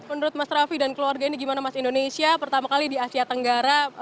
menurut mas raffi dan keluarga ini gimana mas indonesia pertama kali di asia tenggara